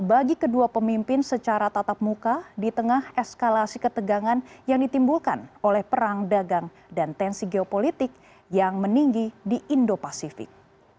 bagi kedua pemimpin secara tatap muka di tengah eskalasi ketegangan yang ditimbulkan oleh perang dagang dan tensi geopolitik yang meninggi di indo pasifik